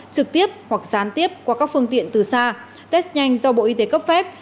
trực tiếp hoặc gián tiếp qua các phương tiện từ xa test nhanh do bộ y tế cấp phép